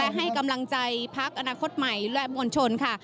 ให้กำลังใจพักอนาคตใหม่และมวลชนค่ะ